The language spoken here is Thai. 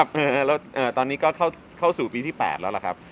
อ๋อผมพี่พ่อวิจารณ์มา๗ปีแล้วครับตอนนี้ก็เข้าสู่ปีที่๘แล้วครับ